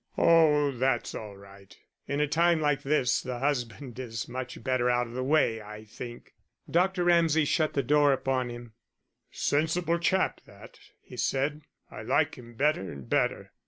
'" "Oh, that's all right. In a time like this the husband is much better out of the way, I think." Dr. Ramsay shut the door upon him. "Sensible chap that," he said. "I like him better and better.